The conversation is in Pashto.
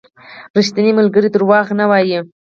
• ریښتینی ملګری دروغ نه وايي.